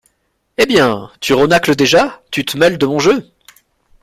Eh bien! tu renâcles déjà ! tu te mêles de mon jeu !